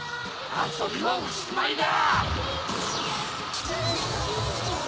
あそびはおしまいだ！